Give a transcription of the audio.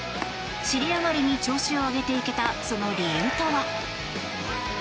尻上がりに調子を上げていけたその理由とは？